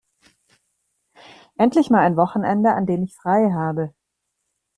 Endlich mal ein Wochenende, an dem ich frei habe!